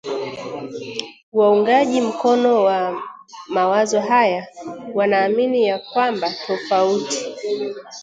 Waungaji mkono wa mawazo haya wanaamini ya kwamba tofauti